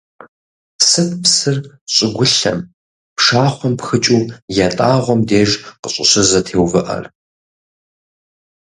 Сыт псыр щӀыгулъым, пшахъуэм пхыкӀыу ятӀагъуэм деж къыщӀыщызэтеувыӀэр?